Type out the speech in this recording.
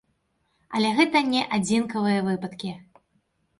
Але гэта не адзінкавыя выпадкі.